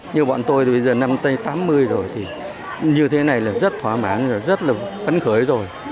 như bọn tôi thì bây giờ năm tây tám mươi rồi thì như thế này là rất thoả mãn rồi rất là vấn khởi rồi